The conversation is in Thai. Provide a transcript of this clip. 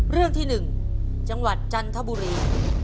เรื่องที่๑จังหวัดจันทบุรี